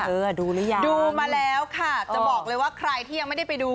เออดูหรือยังดูมาแล้วค่ะจะบอกเลยว่าใครที่ยังไม่ได้ไปดู